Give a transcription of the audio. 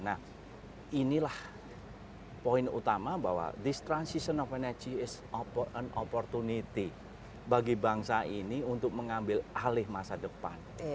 nah inilah poin utama bahwa this transition of energy is on opportunity bagi bangsa ini untuk mengambil alih masa depan